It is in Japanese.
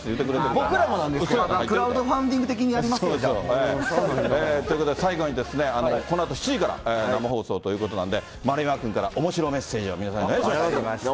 僕らも、クラウドファンディング的にやりますよ。ということで、最後にこのあと７時から生放送ということで、丸山君からおもしろメッセージを皆さんに。